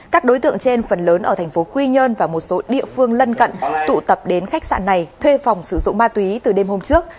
các đối tượng trên phần lớn ở thành phố quy nhơn và một số địa phương lân cận tụ tập đến khách sạn này thuê phòng sử dụng ma túy từ đêm hôm trước